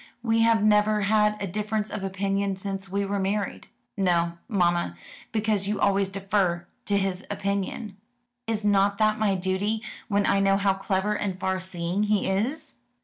We have never had a difference of opinion since we were married." "No, mamma, because you always defer to his opinion." "Is not that my duty, when I know how clever and far seeing he is?"